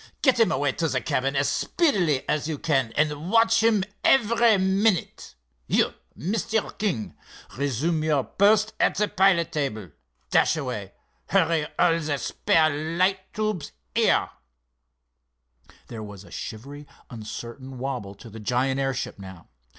Get him away to the cabin as speedily as you can, and watch him every minute. You, Mr. King, resume your post at the pilot table. Dashaway, hurry all the spare light tubes here." There was a shivery, uncertain wobble to the giant airship now.